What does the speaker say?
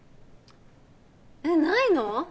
えっないの？